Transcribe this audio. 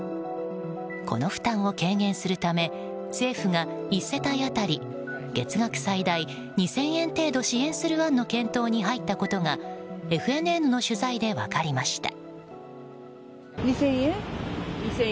この負担を軽減するため政府が１世帯当たり月額最大２０００円程度を支援する案の検討に入ったことがＦＮＮの取材で分かりました。